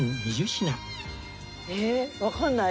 えっわかんない。